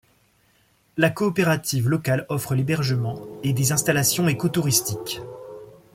La coopérative locale offre l'hébergement et des installations écotouristiques.